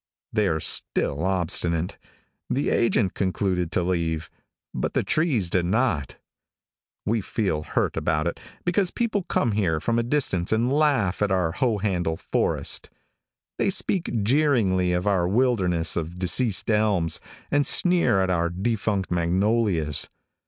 They are still obstinate. The agent concluded to leave, but the trees did not. We feel hurt about it, because people come here from a distance and laugh at our hoe handle forest. They speak jeeringly of our wilderness of deceased elms, and sneer at our defunct magnolias.